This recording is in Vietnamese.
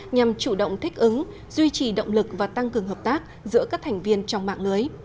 nhằm chủ động thích ứng duy trì động lực và tăng cường hợp tác giữa các thành viên trong mạng lưới